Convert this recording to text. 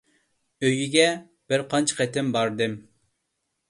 ئۆيىگە بىر قانچە قېتىم باردىم.